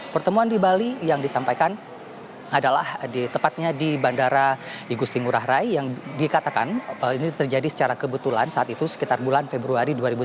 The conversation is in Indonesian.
pertemuan di bali yang disampaikan adalah tepatnya di bandara igusti ngurah rai yang dikatakan ini terjadi secara kebetulan saat itu sekitar bulan februari dua ribu sembilan belas